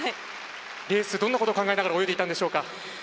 レース、どんなことを考えながら泳いでいたんでしょうか？